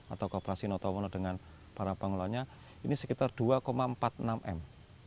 atau kooperasi notawono dengan para pengelolanya ini sekitar dua empat puluh enam m